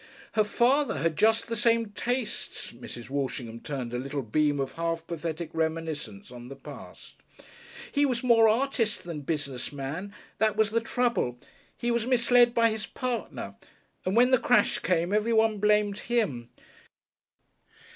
"Her father had just the same tastes " Mrs. Walshingham turned a little beam of half pathetic reminiscence on the past. "He was more artist than business man. That was the trouble.... He was misled by his partner, and when the crash came everyone blamed him....